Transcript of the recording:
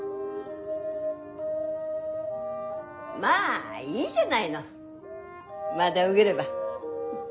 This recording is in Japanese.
まあいいじゃないのまだ受げれば。